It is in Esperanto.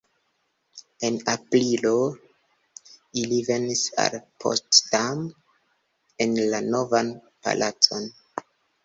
En aprilo ili venis al Potsdam en la Novan palacon.